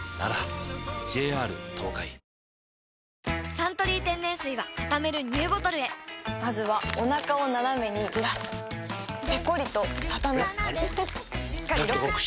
「サントリー天然水」はたためるＮＥＷボトルへまずはおなかをナナメにずらすペコリ！とたたむしっかりロック！